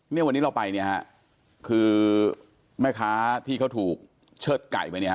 เนี่ยวันนี้เราไปเนี่ยฮะคือแม่ค้าที่เขาถูกเชิดไก่ไปเนี่ยฮ